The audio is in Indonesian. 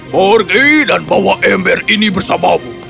pergi dan bawa ember ini bersamamu